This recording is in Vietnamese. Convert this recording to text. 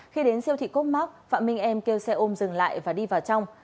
khi đến siêu thị cốt mắc phạm minh em kêu xe ôm dừng lại và đi vào trong